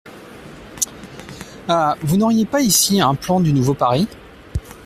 Ah ! vous n’auriez pas ici un plan du nouveau Paris ?